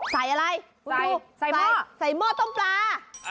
ใส่อะไรใส่หม้อใส่หม้อต้มปลา